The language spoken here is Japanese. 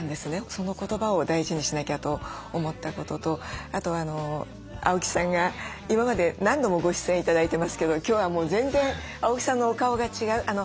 その言葉を大事にしなきゃと思ったこととあと青木さんが今まで何度もご出演頂いてますけど今日は全然青木さんのお顔が違う。